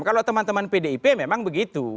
kalau teman teman pdip memang begitu